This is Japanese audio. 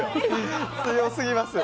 強すぎます。